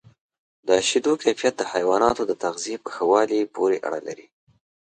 د شیدو کیفیت د حیواناتو د تغذیې په ښه والي پورې اړه لري.